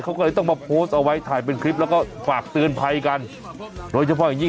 เขาก็เลยต้องมาโพสต์เอาไว้ถ่ายเป็นคลิปแล้วก็ฝากเตือนภัยกันโดยเฉพาะอย่างยิ่ง